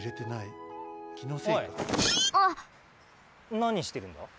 なにしてるんだ？